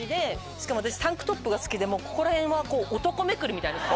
しかも私タンクトップが好きでここら辺は男めくりみたいな。